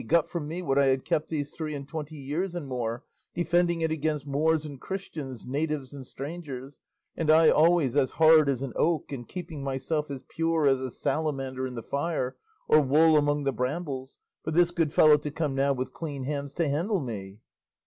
got from me what I had kept these three and twenty years and more, defending it against Moors and Christians, natives and strangers; and I always as hard as an oak, and keeping myself as pure as a salamander in the fire, or wool among the brambles, for this good fellow to come now with clean hands to handle me!"